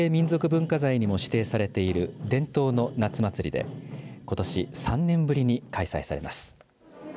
文化財にも指定されている伝統の夏祭りでことし３年ぶりに開催されます。